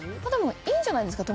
いいんじゃないんですか。